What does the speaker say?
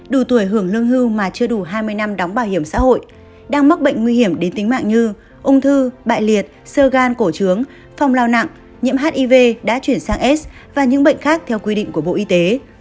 đủ tuổi hưởng lương hưu mà chưa đủ hai mươi năm đóng bảo hiểm xã hội đang mắc bệnh nguy hiểm đến tính mạng như ung thư bại liệt sơ gan cổ trướng phong lao nặng nhiễm hiv đã chuyển sang s và những bệnh khác theo quy định của bộ y tế